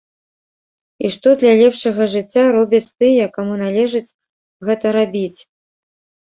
І што для лепшага жыцця робяць тыя, каму належыць гэта рабіць?